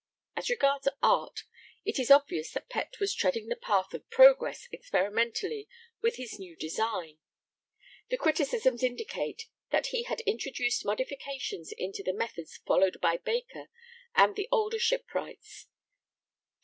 As regards art, it is obvious that Pett was treading the path of progress experimentally with his new design; the criticisms indicate that he had introduced modifications into the methods followed by Baker and the older shipwrights (_e.